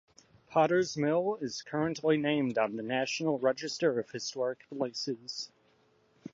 Potter's Mill is currently named on the National Register of Historic Places.